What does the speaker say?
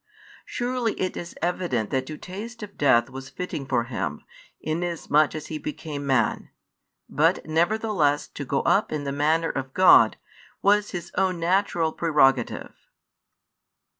Surely it is evident that to taste of death was fitting for Him, inasmuch as He became Man: but nevertheless to go up in the manner of God, was His own natural prerogative.